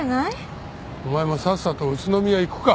お前もさっさと宇都宮行くか。